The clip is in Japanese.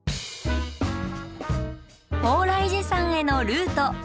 鳳来寺山へのルート。